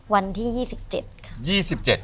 วันที่๒๗ค่ะ